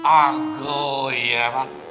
ah goya pak